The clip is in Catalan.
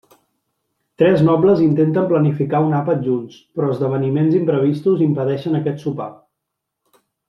Tres nobles intenten planificar un àpat junts, però esdeveniments imprevistos impedeixen aquest sopar.